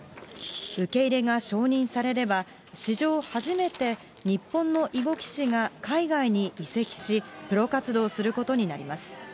受け入れが承認されれば、史上初めて、日本の囲碁棋士が海外に移籍し、プロ活動することになります。